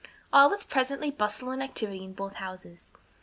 All was presently bustle and activity in both houses.